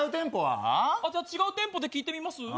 違う店舗で聞いてみます？